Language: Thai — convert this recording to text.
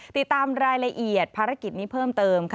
ติดตามรายละเอียดภารกิจนี้เพิ่มเติมค่ะ